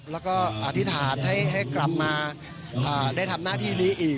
แล้วก็อธิษฐานให้กลับมาได้ทำหน้าที่นี้อีก